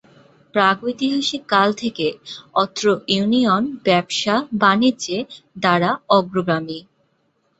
প্রাগ ঐতিহাসিক কাল থেকে অত্র ইউনিয়ন ব্যবসা-বানিজ্যে দ্বারা অগ্রগামী।